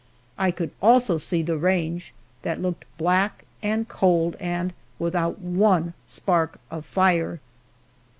I could also see the range that looked black and cold and without one spark of fire!